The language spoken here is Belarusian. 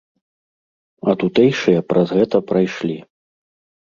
А тутэйшыя праз гэта прайшлі.